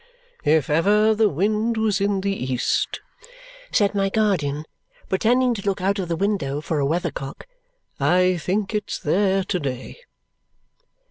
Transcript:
"If ever the wind was in the east," said my guardian, pretending to look out of the window for a weathercock, "I think it's there to day!"